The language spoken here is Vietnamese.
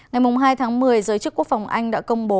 ngày hai tháng một mươi giới chức quốc phòng anh đã công bố